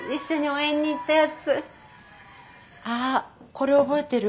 これ覚えてる？